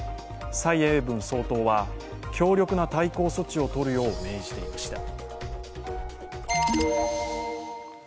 蔡英文総統は強力な対抗措置を取るよう命じていました。